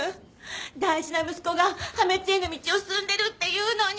大事な息子が破滅への道を進んでるっていうのに！